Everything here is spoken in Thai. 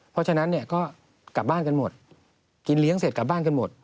เพราะฉะนั้นเนี่ยก็กลับบ้านกันหมดกินเลี้ยงเสร็จกลับบ้านกันหมด